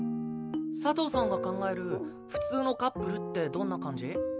佐藤さんが考える普通のカップルってどんな感じ？